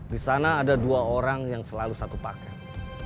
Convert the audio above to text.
di sana ada dua orang yang selalu satu paket